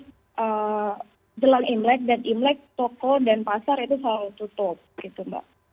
karena jelang imlek dan imlek toko dan pasar itu selalu tutup gitu mbak